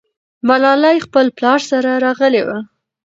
ملالۍ خپل پلار سره راغلې وه.